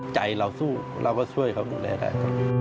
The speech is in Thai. ใจเราสู้เราก็ช่วยเขาดูแลได้